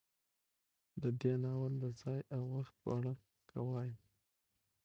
د دې ناول د ځاى او وخت په اړه که وايم